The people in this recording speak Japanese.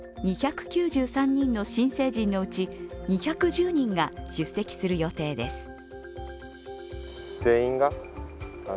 ２９３人の新成人のうち２１０人が出席する予定です。